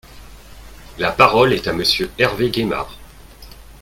La parole est à Monsieur Hervé Gaymard.